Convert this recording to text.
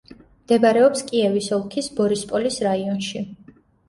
მდებარეობს კიევის ოლქის ბორისპოლის რაიონში.